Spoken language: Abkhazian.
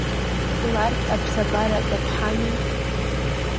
Ларгь аԥсабара даԥҳами.